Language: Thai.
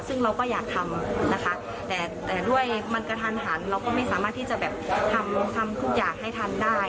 ซึ่งเราก็อยากทำนะคะแต่ด้วยมันกระทันหันเราก็ไม่สามารถที่จะแบบทำทุกอย่างให้ทันได้